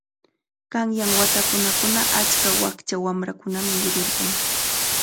Qanyan watakunakuna achka wakcha wamrakunami yurirqan.